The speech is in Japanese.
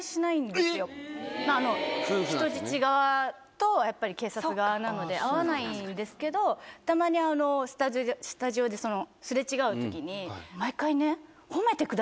人質側とやっぱり警察側なので会わないんですけどたまにスタジオで擦れ違う時に毎回ね。